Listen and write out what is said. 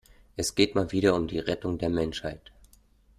Es geht mal wieder um die Rettung der Menschheit.